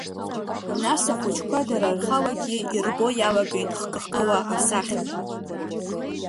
Нас ахәыҷқәа дара рхалагьы ирбо иалагеит хкы-хкыла асахьақәа…